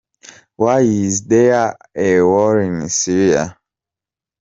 Why is there a war in Syria?.